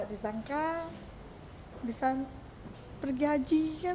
tidak disangka bisa pergi haji kan